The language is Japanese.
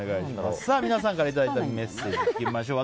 皆さんからいただいたメッセージいきましょう。